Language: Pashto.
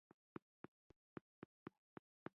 مالدارۍ او د وحشي نباتاتو اهلي کولو پروسه هم پیل شوه